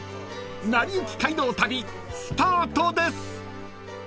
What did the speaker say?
［『なりゆき街道旅』スタートです］